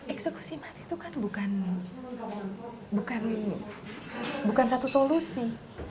eksekusi mati itu kan bukan bukan bukan satu solusi